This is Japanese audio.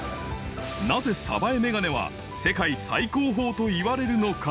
なぜ鯖江メガネは世界最高峰といわれるのか？